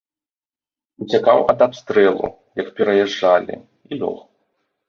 Уцякаў ад абстрэлу, як пераязджалі, і лёг.